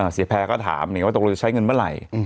เสียแพ้ก็ถามตรงนี้จะใช้เงินเมื่อไหร่